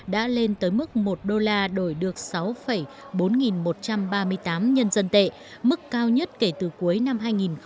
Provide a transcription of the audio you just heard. đã lên tới mức một đô la đổi được sáu bốn nghìn một trăm ba mươi tám nhân dân tệ mức cao nhất kể từ cuối năm hai nghìn một mươi